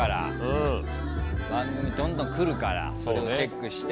番組どんどん来るからそれチェックして。